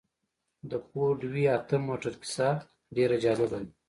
د فورډ وي اته موټر کيسه ډېره جالبه ده.